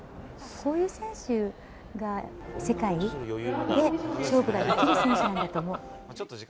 そういう選手が世界で勝負ができる選手なんだと思う。